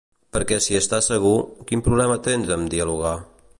Perquè si estàs segur, quin problema tens amb dialogar?